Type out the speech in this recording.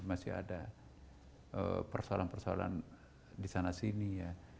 masih ada persoalan persoalan di sana sini ya